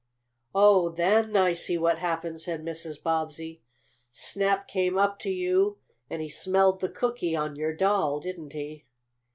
"Oh, then I see what happened," said Mrs. Bobbsey. "Snap came up to you, and he smelled the cookie on your doll; didn't he?"